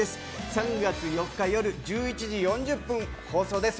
３月４日夜１１時４０分放送です。